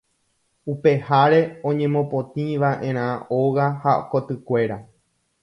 upeháre oñemopotĩva'erã óga ha kotykuéra